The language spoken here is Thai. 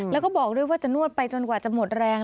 แล้วก็บอกด้วยว่าจะนวดไปจนกว่าจะหมดแรง